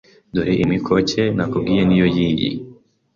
Dore imikoke nakubwiye ni yo y’iyi.